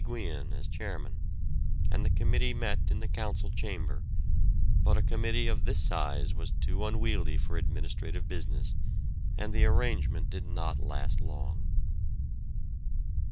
Guion as chairman; and the committee met in the Council Chamber, but a committee of this size was too unwieldy for administrative business, and the arrangement did not last long.